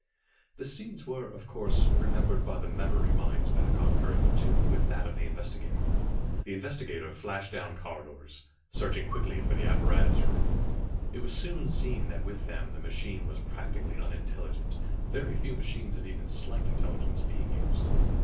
The scenes were, of course, remembered by the memory minds back on Earth tuned with that of the investigator. The investigator flashed down corridors, searching quickly for the apparatus room. It was soon seen that with them the machine was practically unintelligent, very few machines of even slight intelligence being used.